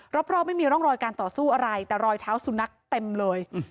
รอบไม่มีร่องรอยการต่อสู้อะไรแต่รอยเท้าสุนัขเต็มเลย